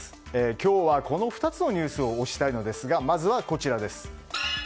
今日はこの２つのニュースを推したいのですがまずはこちらです。